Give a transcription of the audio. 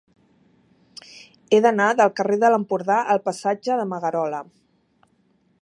He d'anar del carrer de l'Empordà al passatge de Magarola.